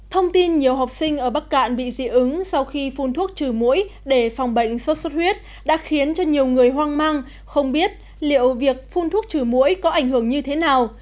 thông tin nhiều học sinh ở bắc cạn bị dị ứng sau khi phun thuốc trừ mũi để phòng bệnh sốt xuất huyết đã khiến cho nhiều người hoang mang không biết liệu việc phun thuốc trừ mũi có ảnh hưởng như thế nào